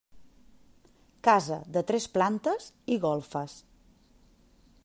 Casa de tres plantes i golfes.